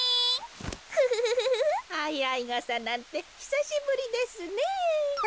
あいあいがさなんてひさしぶりですねぇ。